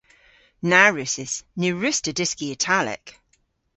Na wrussys. Ny wruss'ta dyski Italek.